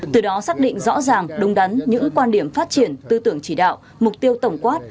từ đó xác định rõ ràng đúng đắn những quan điểm phát triển tư tưởng chỉ đạo mục tiêu tổng quát